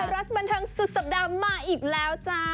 รัคบรรทังศุษฌ์สับดาปมาอีกแล้วจ้า